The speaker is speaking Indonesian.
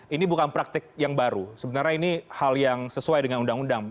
ini bukan praktik yang baru sebenarnya ini hal yang sesuai dengan undang undang